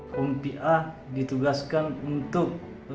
kompi alpha ditugaskan untuk